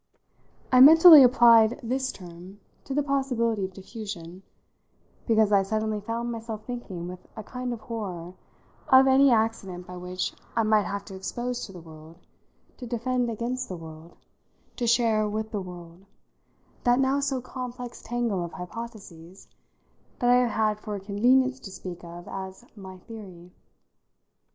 I mentally applied this term to the possibility of diffusion, because I suddenly found myself thinking with a kind of horror of any accident by which I might have to expose to the world, to defend against the world, to share with the world, that now so complex tangle of hypotheses that I have had for convenience to speak of as my theory.